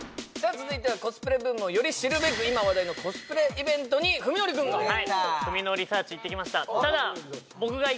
続いてはコスプレブームをより知るべく今話題のコスプレイベントに史記くんがはいフミノリサーチ行ってきました